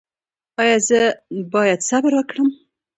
ایا زه باید صبر وکړم؟